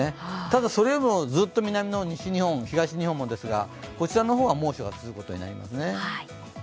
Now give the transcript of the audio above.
ただ、それよりもずっと南の西日本東日本もですがこちらの方は猛暑が続くことになりますね。